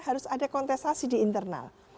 harus ada kontestasi di internal